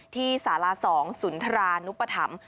ที่สารสองสุนทรานุปถัมพ์